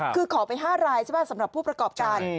คือขอไป๕รายใช่ไหมสำหรับผู้ประกอบการ